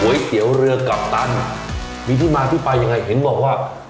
เตี๋ยวเรือกัปตันมีที่มาที่ไปยังไงเห็นบอกว่า